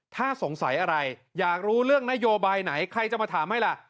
ถ้าสงสัยอะไรอยากรู้เรื่องนโยบายไหนใครจะมาถามให้ล่ะ